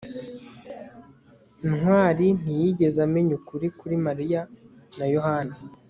ntwali ntiyigeze amenya ukuri kuri mariya na yohana